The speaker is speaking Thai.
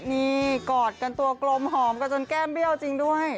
นี่กอดกันตัวกลมหอมกันจนแก้มเบี้ยวจริงด้วย